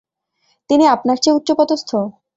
তিনি আপনার চেয়ে উচ্চপদস্থ?